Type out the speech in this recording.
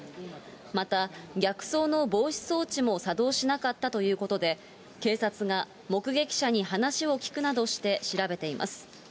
また、逆走の防止装置も作動しなかったということで、警察が、目撃者に話を聴くなどして調べています。